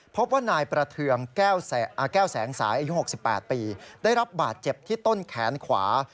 พบว่านายประเทืองแก้วแสงสายอายุ๖๘ปีได้รับบาดเจ็บที่ต้นแขนขวา